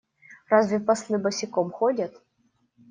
Разве послы босиком ходят?